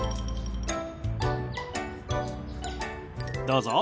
どうぞ。